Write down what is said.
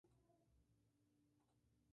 Así se completa la cuarta columna de la tabla.